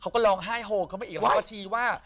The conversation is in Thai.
เขาก็ร้องไห้โหดเข้าไปอีกแล้วก็ชี้ว่า